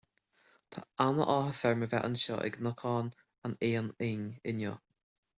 Tá an-áthas orm a bheith anseo i gCnocán an Éin Fhinn inniu